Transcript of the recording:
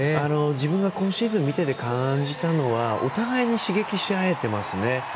自分が今シーズン見てて感じたのはお互いに刺激し合っていますね。